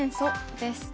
です。